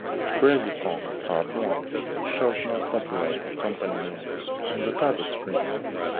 "Crazy Kong Part One" shows no copyright or company name on the title screen.